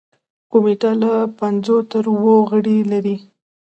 کمیټه له پنځو تر اوو غړي لري.